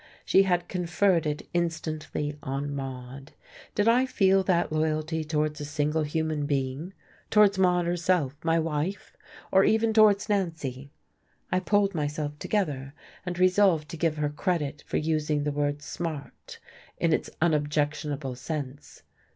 She had conferred it instantly on Maude. Did I feel that loyalty towards a single human being? towards Maude herself my wife? or even towards Nancy? I pulled myself together, and resolved to give her credit for using the word "smart" in its unobjectionable sense.